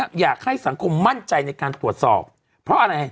อยากให้สังคมมั่นใจในการตรวจสอบเพราะอะไร